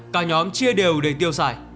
cả nhóm chia đều để tiêu xài